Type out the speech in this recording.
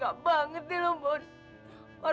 jawabannya juga sama